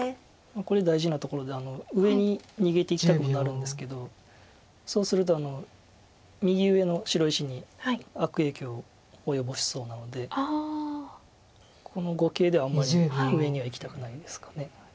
これ大事なところで上に逃げていきたくなるんですけどそうすると右上の白石に悪影響を及ぼしそうなのでこの碁形ではあんまり上にはいきたくないんですかね。